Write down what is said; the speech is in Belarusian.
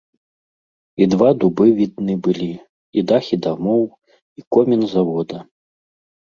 І два дубы відны былі, і дахі дамоў, і комін завода.